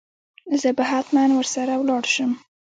زه به هتمن ور سره ولاړ شم.